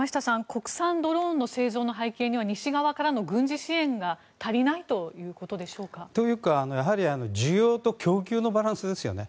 国産ドローンの製造の背景には西側からの軍事支援が足りないということでしょうか？というか、やはり需要と供給のバランスですよね。